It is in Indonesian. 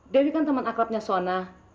dewi kan teman akrabnya sona